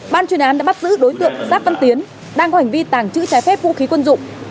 ban chuyên án đã bắt giữ đối tượng giáp văn tiến đang có hành vi tàng trữ trái phép vũ khí quân dụng